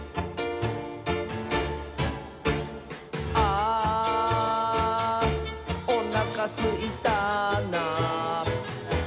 「あーおなかすいたな」